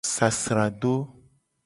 Sasrado.